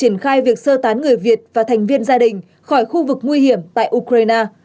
bộ ngoại giao sẽ được sơ tán người việt và thành viên gia đình khỏi khu vực nguy hiểm tại ukraine